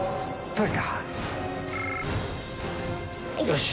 よし。